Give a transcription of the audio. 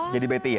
jadi betty ya